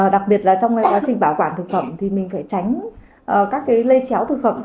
đặc biệt là trong quá trình bảo quản thực phẩm thì mình phải tránh các cái lây chéo thực phẩm